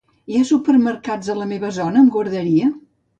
Hi ha supermercats a la meva zona amb guarderia?